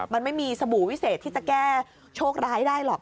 มันไม่มีสบู่วิเศษที่จะแก้โชคร้ายได้หรอก